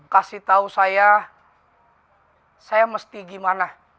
kasih tahu saya saya mesti gimana